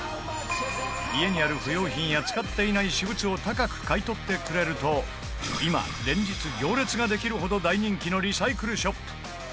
家にある不要品や使っていない私物を高く買い取ってくれると今、連日行列ができるほど大人気のリサイクルショップ